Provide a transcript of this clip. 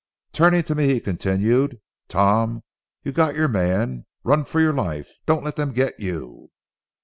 Turning to me he continued: "Tom, you've got your man. Run for your life; don't let them get you."